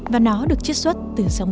và nó được chất xuất từ rắc rải nhựa